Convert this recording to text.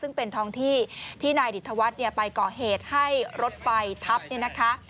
ซึ่งเป็นท้องที่ที่นายดิตธวัฒน์ไปก่อเหตุให้รถไฟทับเนี่ยนะคะ